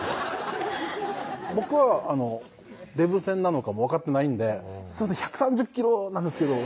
僕はデブ専なのかも分かってないんで「１３０キロなんですけど」